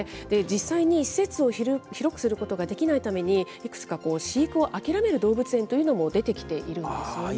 実際に施設を広くすることができないために、いくつか飼育を諦める動物園も出てきているんですよね。